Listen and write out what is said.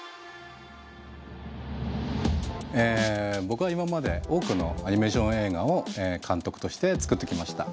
僕は今まで多くのアニメーション映画を監督として作ってきました。